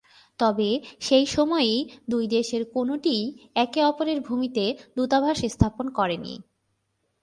তবে সেই সময়েই দুই দেশের কোনটিই, একে অপরের ভূমিতে দূতাবাস স্থাপন করে নি।